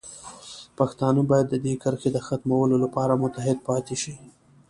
پښتانه باید د دې کرښې د ختمولو لپاره متحد پاتې شي.